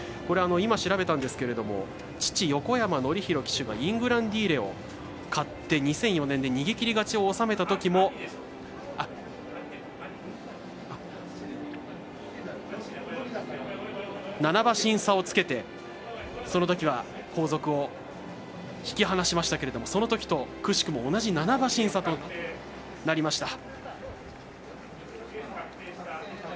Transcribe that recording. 今、調べたんですが父・横山典弘騎手がイングランディーレを勝って２００４年に逃げきり勝ちを収めたときも７馬身差をつけてそのときは後続を引き離しましたけどもそのときと、くしくも同じ７馬身差となりました。